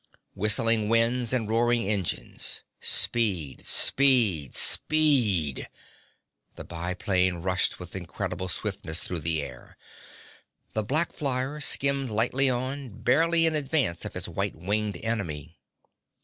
Whistling wind and roaring engines. Speed, speed, speed! The biplane rushed with incredible swiftness through the air. The black flyer skimmed lightly on, barely in advance of its white winged enemy.